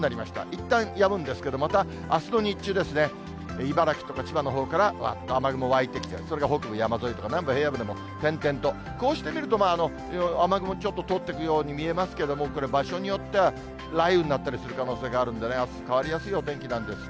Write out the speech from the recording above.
いったんやむんですけど、またあすの日中ですね、茨城とか千葉のほうから、わっと雨雲湧いてきて、それが北部山沿いとか、南部平野部でも点々と、こうして見ると、雨雲ちょっと通っていくように見えますけれども、これ、場所によっては雷雨になったりする可能性があるんでね、あす、変わりやすいお天気なんです。